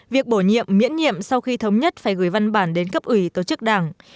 việc bổ nhiệm miễn nhiệm sau khi thống nhất phải gửi văn bản đến cấp ủy tổ chức đảng